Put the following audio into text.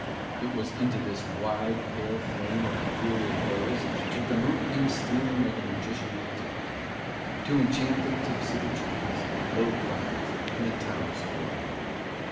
It was into this wide, pale flame of aetherial rose that the moon came stealing like a magician on tip toe, to enchant the tips of the trees, low clouds and the towers of Lowlight.